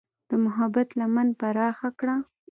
د محبت لمن پراخه کړه.